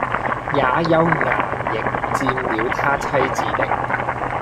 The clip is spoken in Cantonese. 也有衙役佔了他妻子的，